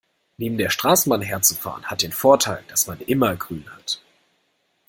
Neben der Straßenbahn herzufahren, hat den Vorteil, dass man immer grün hat.